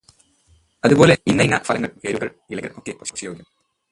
അതുപോലെ ഇന്നയിന്ന ഫലങ്ങൾ, വേരുകൾ, ഇലകൾ ഒക്കെ ഭക്ഷ്യയോഗ്യം.